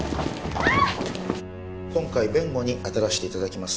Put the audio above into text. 今回弁護にあたらしていただきます